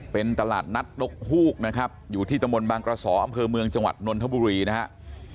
เป็นตลาดนัดนกฮูกนะครับอยู่ที่ตะมนต์บางกระสออำเภอเมืองจังหวัดนนทบุรีนะครับ